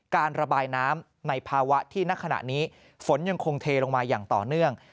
การระบายน้ำในภาวะที่ณขณะนี้ฝนยังคงเทลงมาอย่างต่อเนื่อง